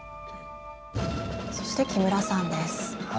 そして木村さんです。